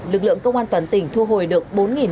lực lượng công an toàn tỉnh thu hồi được